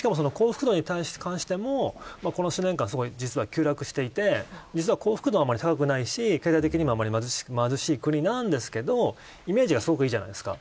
しかも幸福度に関してもここ７年間急落していて幸福度は高くないし経済的にも貧しい国なんですけどイメージがすごくいいじゃないですか。